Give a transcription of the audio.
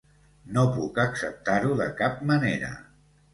No puc acceptar-ho de cap manera.